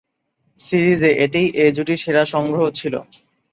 সিরিজে এটিই এ জুটির সেরা সংগ্রহ ছিল।